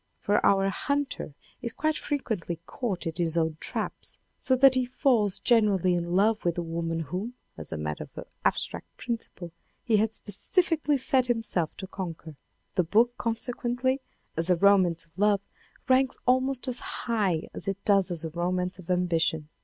For our hunter is quite frequently caught in his own traps, so that he falls genuinely in love with the woman whom, as a matter of abstract principle, he had specifically set himself to conquer. The book consequently as a romance of love, ranks almost as high as it does as a romance of ambition.